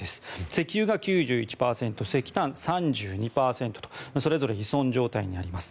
石油が９１％石炭、３２％とそれぞれ依存状態にあります。